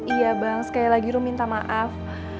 iya bang sekali lagi ru minta maaf